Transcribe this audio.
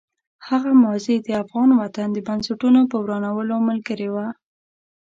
هغه ماضي د افغان وطن د بنسټونو په ورانولو ملګرې وه.